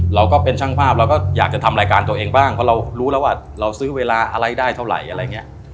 เราก็เป็นช่างภาพเราก็อยากจะทำรายการตัวเองบ้างเพราะเรารู้แล้วว่าเราซื้อเวลาอะไรได้เท่าไหร่อะไรอย่างนี้